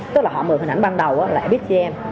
tức là họ mượn hình ảnh ban đầu á là fxtm